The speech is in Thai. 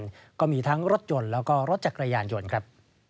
ยึดได้ก็มีทั้งรถยนต์แล้วเครื่องรถจักรยานใจ